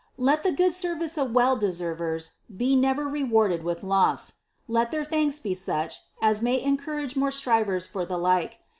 Let SKhI tor vice of well de&ervers, be never rewarded with loss. Let their ik« U.' suc h. as may encourage more strivrrs for the like.